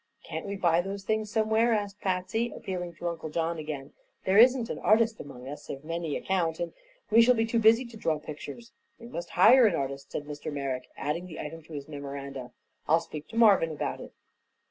"Can't we buy those things somewhere?" asked Patsy, appealing to Uncle John again. "There isn't an artist among us, of any account; and we shall be too busy to draw pictures." "We must hire an artist," said Mr. Merrick, adding the item to his memoranda. "I'll speak to Marvin about it."